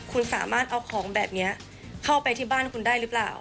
คุณสามารถเอาของแบบนี้เข้าไปที่บ้านคุณได้หรือเปล่า